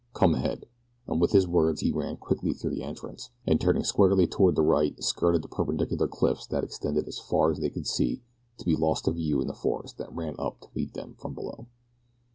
Come ahead," and with his words he ran quickly through the entrance, and turning squarely toward the right skirted the perpendicular cliffs that extended as far as they could see to be lost to view in the forest that ran up to meet them from below.